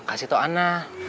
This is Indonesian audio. kasih toh anak